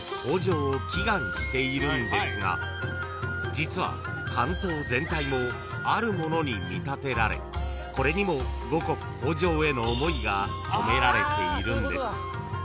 ［実は竿燈全体もあるものに見立てられこれにも五穀豊穣への思いが込められているんです］